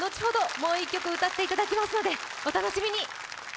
もう１曲歌っていただきますのでお楽しみに。